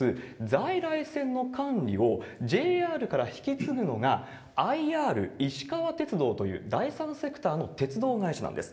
在来線の管理を、ＪＲから引き継ぐのがＩＲいしかわ鉄道という第三セクターの鉄道会社なんです。